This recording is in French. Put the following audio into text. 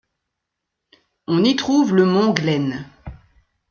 On y trouve le mont Glen.